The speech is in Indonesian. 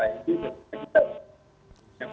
nah itu kita bisa